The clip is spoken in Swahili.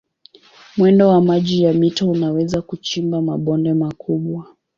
Mwendo wa maji ya mito unaweza kuchimba mabonde makubwa.